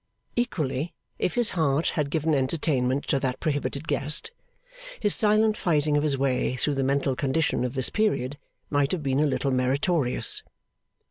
Equally, if his heart had given entertainment to that prohibited guest, his silent fighting of his way through the mental condition of this period might have been a little meritorious.